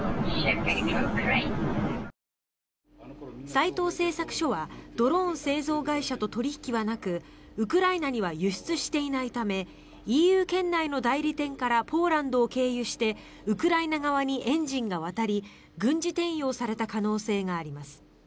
斎藤製作所はドローン製造会社と取引はなく、ウクライナには輸出していないためＥＵ圏内の代理店からポーランドを経由してウクライナ側にエンジンが渡り軍事転用された可能性があります。